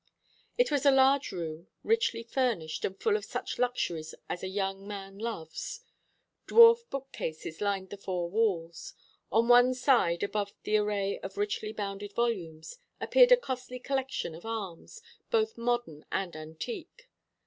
It was a large room, richly furnished, and full of such luxuries as a young man loves. Dwarf book cases lined the four walls. On one side, above the array of richly bound volumes, appeared a costly collection of arms, both modern and antique.